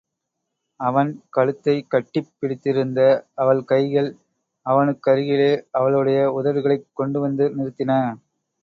அவன் கழுத்தைக்கட்டிப் பிடித்திருந்த அவள் கைகள் அவனுக்கருகிலே அவளுடைய உதடுகளைக் கொண்டுவந்து நிறுத்தின.